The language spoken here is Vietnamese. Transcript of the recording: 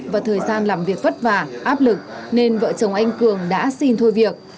và thời gian làm việc vất vả áp lực nên vợ chồng anh cường đã xin thôi việc